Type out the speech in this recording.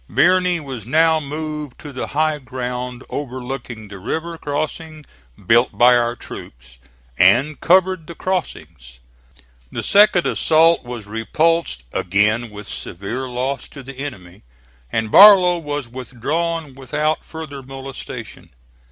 Birney was now moved to the high ground overlooking the river crossings built by our troops, and covered the crossings. The second assault was repulsed, again with severe loss to the enemy, and Barlow was withdrawn without further molestation.